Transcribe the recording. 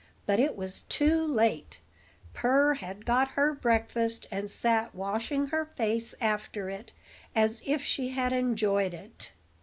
But it was too late: Purr had got her breakfast, and sat washing her face after it, as if she had enjoyed it.